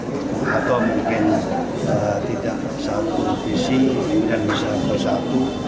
atau mungkin tidak satu visi dan bisa bersatu